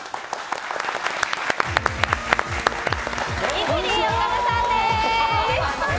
イジリー岡田さんです。